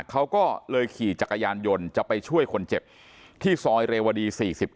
เขาก็เลยขี่จักรยานยนต์จะไปช่วยคนเจ็บที่ซอยเรวดี๔๙